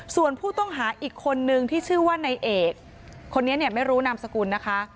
ส่วนผู้ต้องหาอีกคนนึงที่ชื่อว่านายเอกคนนี้เนี่ยไม่รู้นามสกุลนะคะ